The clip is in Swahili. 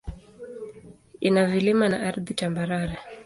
Ina vilima na ardhi tambarare.